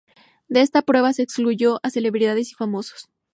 De esta prueba se excluyó a celebridades y famosos.